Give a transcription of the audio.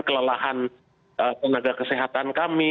kelelahan tenaga kesehatan kami